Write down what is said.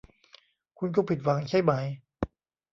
คุณคงผิดหวังใช่ไหม